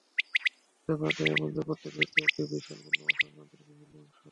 ব্যাপারটা এমন যে, প্রত্যেক ব্যক্তি একটি বিশাল পুনর্বাসন যন্ত্রের বিভিন্ন অংশ।